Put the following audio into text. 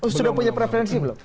sudah punya preferensi belum